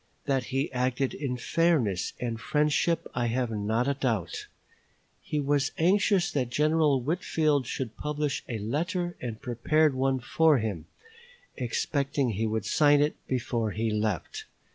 That he acted in fairness and friendship I have not a doubt. He was anxious that General Whitfield should publish a letter and prepared one for him, expecting he would sign it before he left.